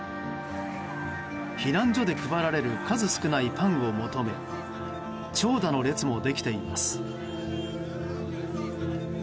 避難所で配られる数少ないパンを求め長蛇の列もできています。